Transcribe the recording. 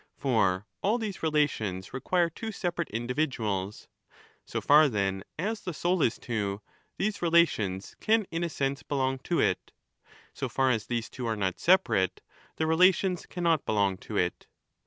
N; For all these relations require two separate indi ^ viduals ; so far then as the soul is two, these relations can in a sense belong to it ; so far as these two are not separate, ; the relations cannot belong to it.